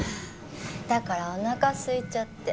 だからおなかすいちゃって。